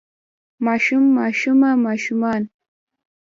ماشوم ماشومه ماشومان